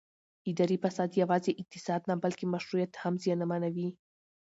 اداري فساد یوازې اقتصاد نه بلکې مشروعیت هم زیانمنوي